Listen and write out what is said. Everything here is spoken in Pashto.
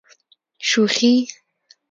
شوخي.